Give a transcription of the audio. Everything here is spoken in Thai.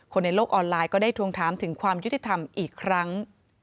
ในโลกออนไลน์ก็ได้ทวงถามถึงความยุติธรรมอีกครั้ง